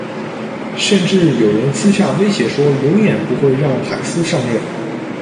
甚至有人私下威胁说永远不会让海斯上任。